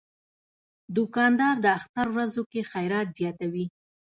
دوکاندار د اختر ورځو کې خیرات زیاتوي.